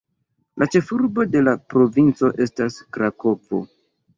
La ĉefurbo de la provinco estas Krakovo.